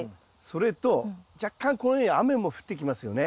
それと若干このように雨も降ってきますよね。